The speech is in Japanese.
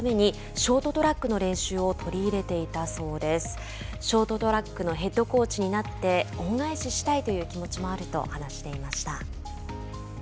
ショートトラックのヘッドコーチになって恩返ししたいという気持ちもあると話していました。